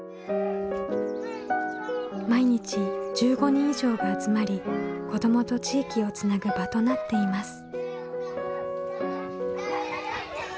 毎日１５人以上が集まり子どもと地域をつなぐ場となっています。